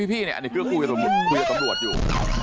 พี่อันนี้เครื่องกู้ยัดตรวจอยู่